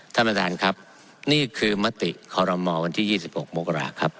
ท่านประธานครับนี่คือมติคอรมอลวันที่๒๖มกราครับ